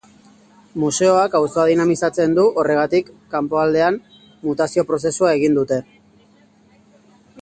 Museoak auzoa dinamizatzen du horregatik kanpokaldean mutazio prozesua egin dute.